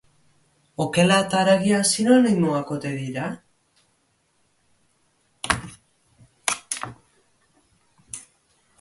Okela eta haragia, sinonimoak ote dira?